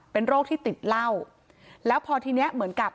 เป็นโรคที่ติดเหล้าแล้วพอทีเนี้ยเหมือนกับ